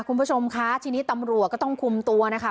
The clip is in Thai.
คุณผู้ชมคะทีนี้ตำรวจก็ต้องคุมตัวนะคะ